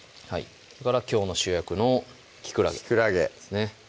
それからきょうの主役のきくらげきくらげ